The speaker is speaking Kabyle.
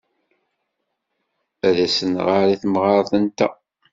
Ad as-nɣer i temɣart-nteɣ.